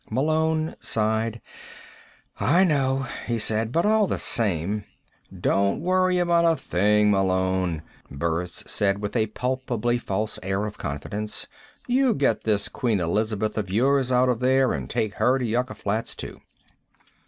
Malone sighed. "I know," he said. "But all the same " "Don't worry about a thing, Malone," Burris said with a palpably false air of confidence. "You get this Queen Elizabeth of yours out of there and take her to Yucca Flats, too."